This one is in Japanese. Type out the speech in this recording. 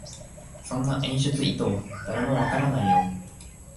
そんな演出意図、誰もわからないよ